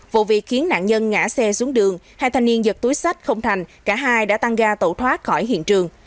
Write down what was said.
vụ việc khiến nạn nhân ngã xe xuống đường hai thanh niên giật túi sách không thành cả hai đã tăng ga tẩu thoát khỏi hiện trường